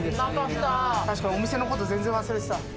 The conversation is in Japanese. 確かにお店の事全然忘れてた。